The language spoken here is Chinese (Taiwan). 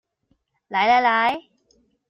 來來來